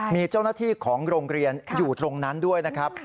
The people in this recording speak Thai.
มีเจ้าหน้าที่ของโรงเรียนอยู่ตรงนั้นด้วยนะครับ